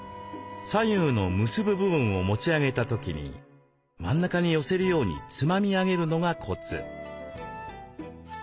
左右の結ぶ部分を持ち上げた時に真ん中に寄せるようにつまみ上げるのがコツ。